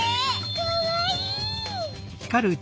かわいい！